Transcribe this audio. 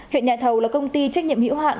hiện nhà thầu là công ty trách nhiệm hữu hạn